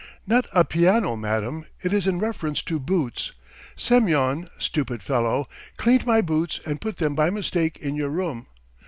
"Not a piano, madam; it is in reference to boots! Semyon, stupid fellow, cleaned my boots and put them by mistake in your room.